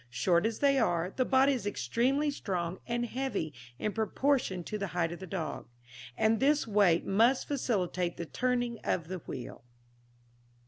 Short as they are, the body is extremely strong and heavy in proportion to the height of the dog, and this weight must facilitate the turning of the wheel.